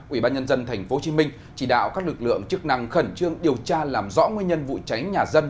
ubnd tp hcm chỉ đạo các lực lượng chức năng khẩn trương điều tra làm rõ nguyên nhân vụ cháy nhà dân